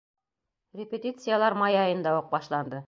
— Репетициялар май айында уҡ башланды.